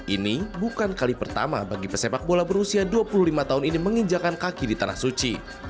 ini bukan kali pertama bagi pesepak bola berusia dua puluh lima tahun ini menginjakan kaki di tanah suci